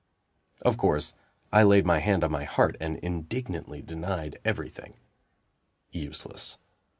Of course, I laid my hand on my heart and indignantly denied everything. Useless.